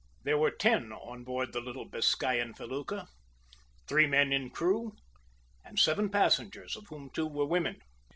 There were ten on board the little Biscayan felucca three men in crew, and seven passengers, of whom two were women.